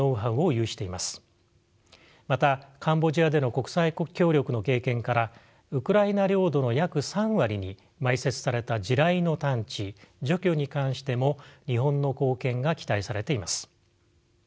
またカンボジアでの国際協力の経験からウクライナ領土の約３割に埋設された地雷の探知除去に関しても日本の貢献が期待されています。